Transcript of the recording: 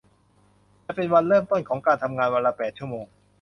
จะเป็นวันเริ่มต้น ของการทำงานวันละแปดชั่วโมง